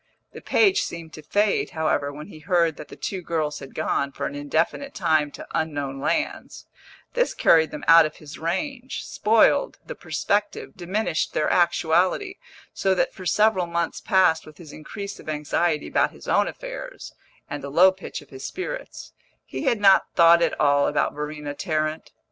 The page seemed to fade, however, when he heard that the two girls had gone, for an indefinite time, to unknown lands; this carried them out of his range, spoiled the perspective, diminished their actuality; so that for several months past, with his increase of anxiety about his own affairs, and the low pitch of his spirits, he had not thought at all about Verena Tarrant.